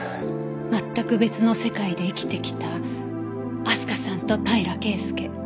全く別の世界で生きてきたあすかさんと平良圭介。